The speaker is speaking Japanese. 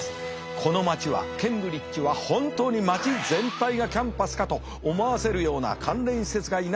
この街はケンブリッジは本当に街全体がキャンパスかと思わせるような関連施設が居並んでひしめいております。